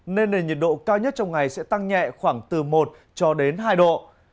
nền nhiệt độ cao nhất trong ngày sẽ tăng nhẹ khoảng từ một hai độ